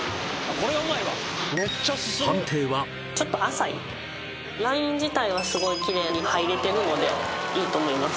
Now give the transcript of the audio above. これはうまいわ判定はちょっと浅いライン自体はすごいきれいに入れてるのでいいと思います